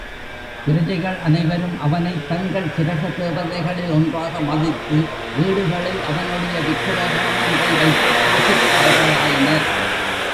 பிரஜைகள் அனைவரும் அவனைத் தங்கள் கிரகதேவதைகளில் ஒன்றாக மதித்து வீடுகளில் அவனுடைய விக்கிரக மொன்றை வைத்துப் பூசித்த வரலாயினர்.